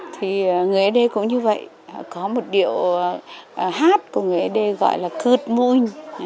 thì người ế đê cũng như vậy có một điệu hát của người ế đê gọi là cướt mùi